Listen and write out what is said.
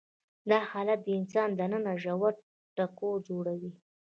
دا حالت د انسان دننه ژور ټکر جوړوي.